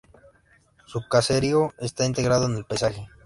Su caserío está integrado en el paisaje.